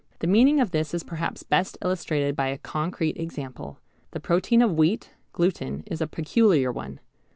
The meaning of this is perhaps best illustrated by a concrete example. The protein of wheat, gluten, is a peculiar one.